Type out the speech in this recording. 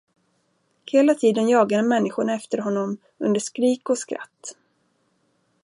Hela tiden jagade människorna efter honom under skrik och skratt.